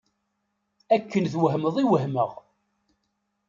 Akken twehmeḍ i wehmeɣ.